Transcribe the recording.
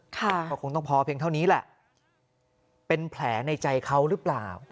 ก็คงต้องพอเพียงเท่านี้แหละเป็นแผลในใจเขาหรือเปล่า